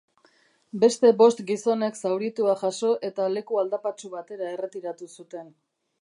Beste bost gizonek zauritua jaso eta leku aldapatsu batera erretiratu zuten.